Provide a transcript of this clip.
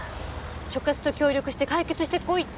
「所轄と協力して解決してこい」って。